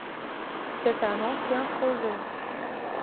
C’est un ancien projet.